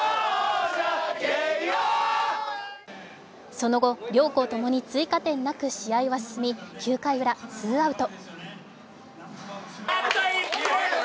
その後、両校共に追加点なく試合は進み９回ウラ、ツーアウト。